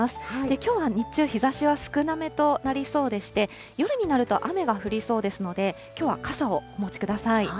きょうは日中、日ざしは少なめとなりそうでして、夜になると雨が降りそうですので、きょうは傘をお持ちください。